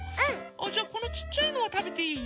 あっじゃこのちっちゃいのはたべていい？